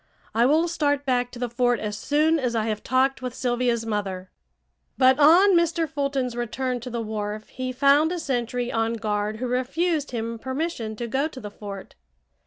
I will start back to the fort as soon as I have talked with Sylvia's mother." But on Mr. Fulton's return to the wharf he found a sentry on guard who refused him permission to go to the fort.